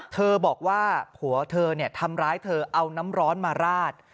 เธอบอกว่าผัวเธอทำร้ายเธอเอาน้ำร้อนมาราด